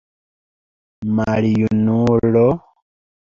Maljunulo?